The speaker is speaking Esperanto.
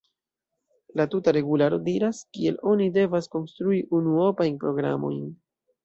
La tuta regularo diras, kiel oni devas konstrui unuopajn programojn.